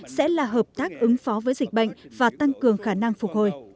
sẽ là hợp tác ứng phó với dịch bệnh và tăng cường khả năng phục hồi